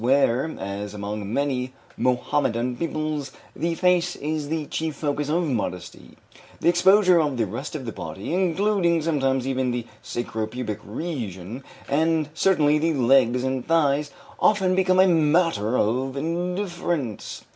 Where, as among many Mohammedan peoples, the face is the chief focus of modesty, the exposure of the rest of the body, including sometimes even the sacro pubic region, and certainly the legs and thighs, often becomes a matter of indifference.